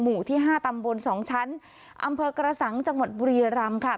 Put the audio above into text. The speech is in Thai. หมู่ที่ห้าตำบลสองชั้นอำเภอกระสังจังหวัดบุรียรำค่ะ